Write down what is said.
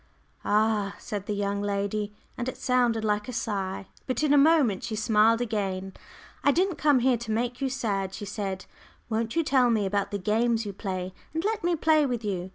"Ah," said the young lady, and it sounded like a sigh. But in a moment she smiled again. "I didn't come here to make you sad," she said. "Won't you tell me about the games you play, and let me play with you.